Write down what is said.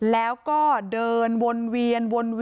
แล้วก็เดินวนเวียน